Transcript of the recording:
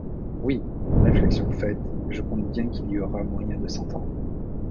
Oui!... réflexion faite, je compte bien qu’il y aura moyen de s’entendre !